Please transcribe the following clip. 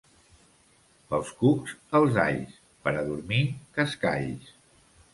Pels cucs, els alls; per a dormir, cascalls.